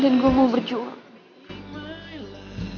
dan gue mau berjuang